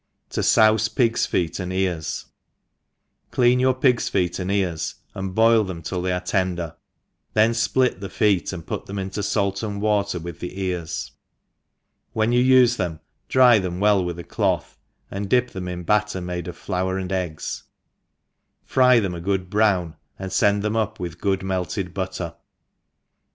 Tojba/e Pigs Feet and Eak^^ CLJSAN your pigs feet and ears^ and boil theintill they are tender^ then iplitihe feet, and put them into fait and water with the ears ; wheil you ufe them ary them well with a clothe and dip them in batter ma4c of i9our and eggs, fry them a good browii, and fend them lip with good melted butter.